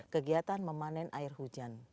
kegiatan memanen air hujan